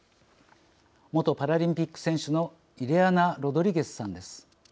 元パラリンピック選手のイレアナ・ロドリゲスさんです。